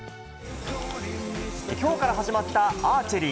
きょうから始まったアーチェリー。